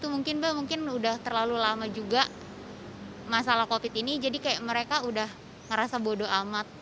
mungkin mbak mungkin udah terlalu lama juga masalah covid ini jadi kayak mereka udah ngerasa bodoh amat